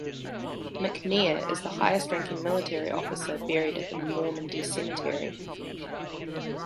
McNair is the highest-ranking military officer buried at the Normandy cemetery.